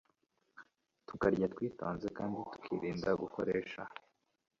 tukarya twitonze kandi tukirinda gukoresha